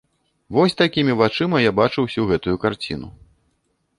Вось такімі вачыма я бачу ўсю гэтую карціну.